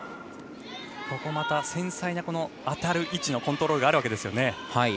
また繊細な、当たる位置のコントロールがあるわけですよね。